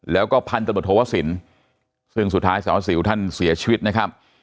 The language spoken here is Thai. แล้วก็พันธุ์ตำรวจโทษศิลป์ซึ่งสุดท้ายสรวัสดิ์สิวท่านเสียชีวิตนะครับ